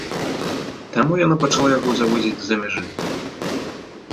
Таму яна пачала яго завозіць з-за мяжы.